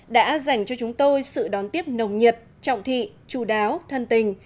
đã dành cho chúng tôi sự đón tiếp nồng nhiệt trọng thị chú đáo thân tình